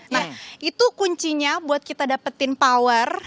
nah itu kuncinya buat kita dapetin power